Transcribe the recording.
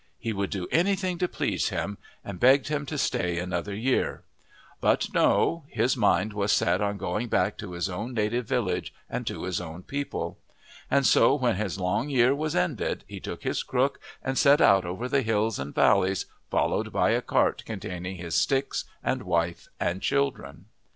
He would do anything to please him, and begged him to stay another year. But no, his mind was set on going back to his own native village and to his own people. And so when his long year was ended he took his crook and set out over the hills and valleys, followed by a cart containing his "sticks" and wife and children.